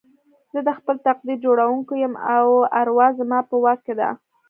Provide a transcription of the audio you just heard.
زه د خپل تقدير جوړوونکی يم او اروا زما په واک کې ده.